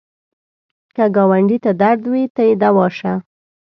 که ګاونډي ته درد وي، ته یې دوا شه